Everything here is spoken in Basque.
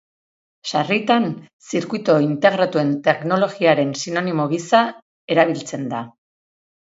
Sarritan, zirkuitu integratuen teknologiaren sinonimo gisa erabiltzen da.